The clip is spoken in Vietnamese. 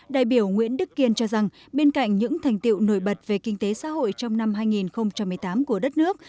đại biểu nguyễn đức kiên cho rằng bên cạnh những thành tiệu nổi bật về kinh tế xã hội trong năm hai nghìn một mươi tám của đất nước